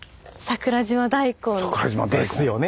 桜島大根。ですよね。